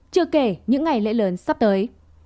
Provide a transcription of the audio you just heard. chưa kể những ngày lễ lớn sắp tới